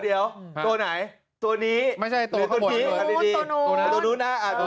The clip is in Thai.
เดี๋ยวตัวไหนตัวนี้หรือตัวนี้ตัวนู้น